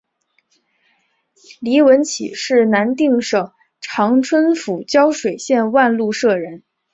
黎文敔是南定省春长府胶水县万禄社人。